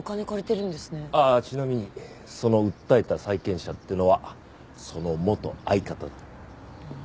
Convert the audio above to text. あっちなみにその訴えた債権者っていうのはその元相方だ。